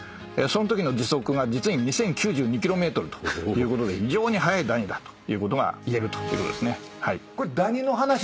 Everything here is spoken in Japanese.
そんときの時速が実に２，０９２キロメートルということで非常に速いダニだということが言えるということですね。